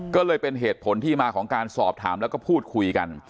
ก็เลยเป็นเหตุผลที่มาของการสอบถามแล้วก็พูดคุยกัน